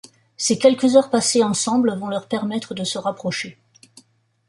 Ces quelques heures passées ensemble vont leur permettre de se rapprocher.